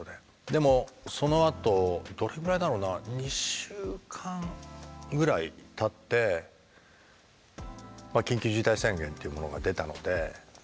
でもそのあとどれぐらいだろうな２週間ぐらいたって緊急事態宣言っていうものが出たので。